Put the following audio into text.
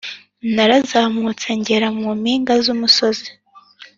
narazamutse ngera mu mpinga z’imisozi,